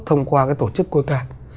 thông qua cái tổ chức coica